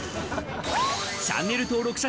チャンネル登録者